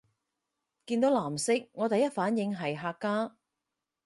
見到藍色我第一反應係客家